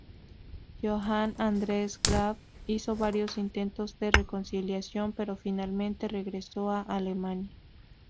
Johann Andreas Graff hizo varios intentos de reconciliación, pero finalmente regresó a Alemania.